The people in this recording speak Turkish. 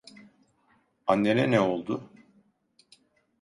Annene ne oldu?